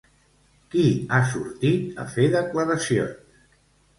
Qui ha sortit a fer declaracions?